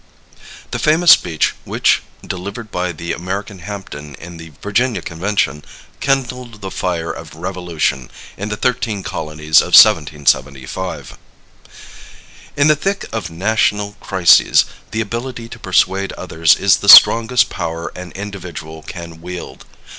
The Famous Speech Which, Delivered by the American Hampden in the Virginia Convention, Kindled the Fire of Revolution in the Thirteen Colonies in 1775. In the thick of national crises the ability to persuade others is the strongest power an individual can wield.